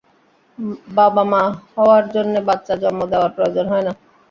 বাবা-মা হওয়ার জন্যে বাচ্চা জন্ম দেওয়ার প্রয়োজন হয় না।